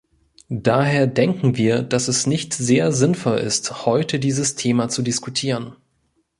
Daher denken wir, dass es nicht sehr sinnvoll ist, heute dieses Thema zu diskutieren.